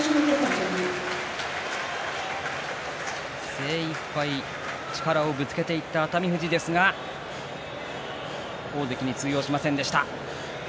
精いっぱい力をぶつけていった熱海富士ですが大関に通用しませんでした。